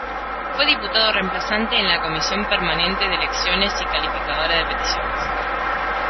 Fue diputado reemplazante en la Comisión Permanente de Elecciones y Calificadora de Peticiones.